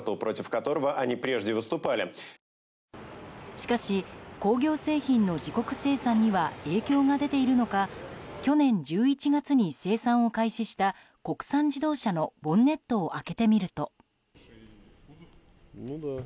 しかし工業製品の自国生産には影響が出ているのか去年１１月に生産を開始した国産自動車のボンネットを開けてみると。